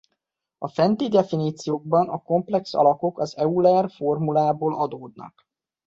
A fenti definíciókban a komplex alakok az Euler-formulából adódnak.